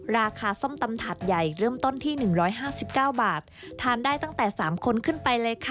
ส้มตำถัดใหญ่เริ่มต้นที่๑๕๙บาททานได้ตั้งแต่๓คนขึ้นไปเลยค่ะ